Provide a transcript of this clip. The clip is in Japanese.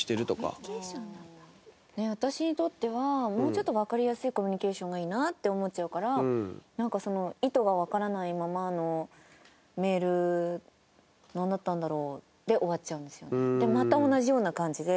私にとってはもうちょっとわかりやすいコミュニケーションがいいなって思っちゃうからなんかその意図がわからないままのメールなんだったんだろう？で終わっちゃうんですよね。